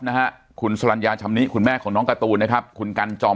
นะฮะคุณสลัญญาชำนิคุณแม่ของน้องการ์ตูนนะครับคุณกันจอม